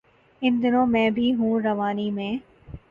ان دنوں میں بھی ہوں روانی میں